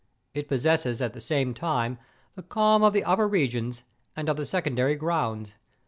It possesses, at the same time, the calm of the upper re¬ gions, and of the secondary grounds.